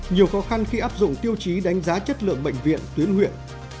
nhiều khó khăn khi áp dụng tiêu chí đánh giá chất lượng bệnh viện tuyến huyện